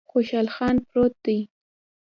خوشحال خان پروت دی